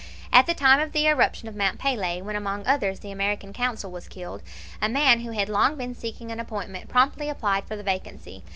At the time of the eruption of Mt. Pelee, when among others the American Consul was killed, a man who had long been seeking an appointment promptly applied for the vacancy.